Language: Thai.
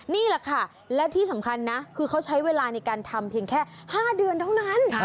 นี่แหละค่ะและที่สำคัญนะคือเขาใช้เวลาในการทำเพียงแค่๕เดือนเท่านั้น